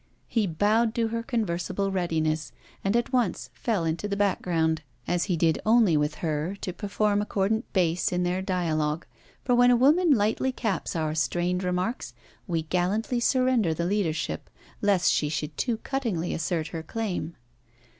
He bowed to her conversible readiness, and at once fell into the background, as he did only with her, to perform accordant bass in their dialogue; for when a woman lightly caps our strained remarks, we gallantly surrender the leadership, lest she should too cuttingly assert her claim.